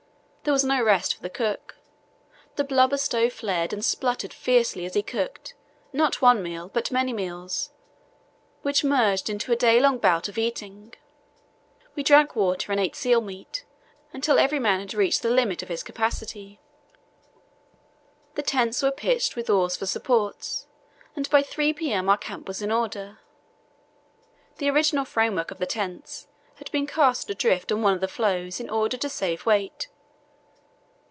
There was no rest for the cook. The blubber stove flared and spluttered fiercely as he cooked, not one meal, but many meals, which merged into a day long bout of eating. We drank water and ate seal meat until every man had reached the limit of his capacity. The tents were pitched with oars for supports, and by 3 p.m. our camp was in order. The original framework of the tents had been cast adrift on one of the floes in order to save weight.